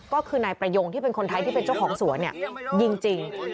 ก็คือนายประยงที่เป็นคนไทยที่เป็นเจ้าของสวนเนี่ยยิงจริง